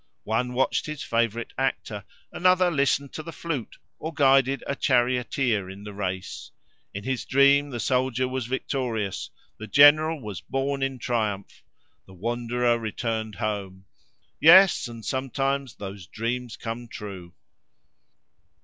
One watched his favourite actor; another listened to the flute, or guided a charioteer in the race: in his dream, the soldier was victorious, the general was borne in triumph, the wanderer returned home. Yes!—and sometimes those dreams come true!